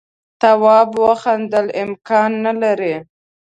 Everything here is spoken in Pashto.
تواب وخندل امکان نه لري.